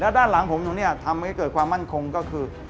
ด้านหลังผมหนูเนี่ยทำให้เกิดความมั่นคงก็คือ